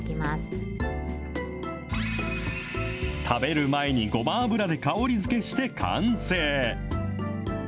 食べる前にごま油で香り付けして完成。